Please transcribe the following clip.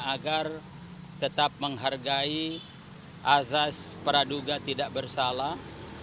agar tetap menghargai azas praduga tidak bersalah